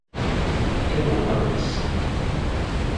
Què no ha permès?